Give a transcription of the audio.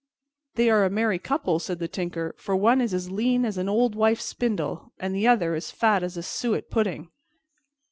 "They are a merry couple," said the Tinker, "for one is as lean as an old wife's spindle, and the other as fat as a suet pudding."